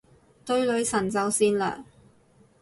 對女神就善良